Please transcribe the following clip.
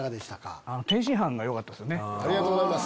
ありがとうございます。